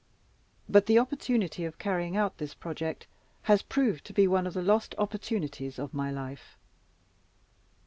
But the opportunity of carrying out this project has proved to be one of the lost opportunities of my life.